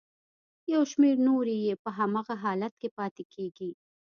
یو شمېر نورې یې په هماغه حالت کې پاتې کیږي.